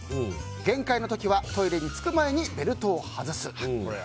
限界の時はトイレにつく前にベルトを外す。